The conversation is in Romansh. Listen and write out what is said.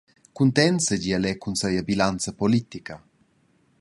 Cuntents seigi el era cun sia bilanza politica.